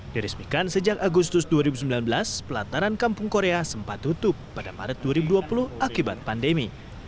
dirismikan sejak agustus dua ribu sembilan belas pelataran kampung korea sempat tutup pada maret dua ribu dua puluh akibat pandemi